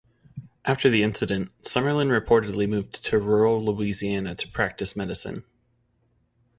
After the incident, Summerlin reportedly moved to rural Louisiana to practice medicine.